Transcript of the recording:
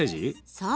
そう。